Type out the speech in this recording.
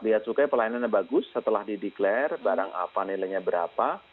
dia sukanya pelayanannya bagus setelah dideklar barang apa nilainya berapa